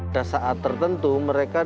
di daerah a tertentu mereka